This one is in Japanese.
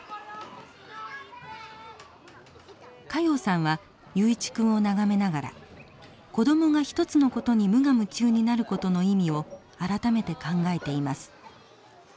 加用さんは雄一君を眺めながら子供が一つのことに無我夢中になることの意味を改めて考えています。